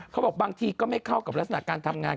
บางทีก็ไม่เข้ากับลักษณะการทำงาน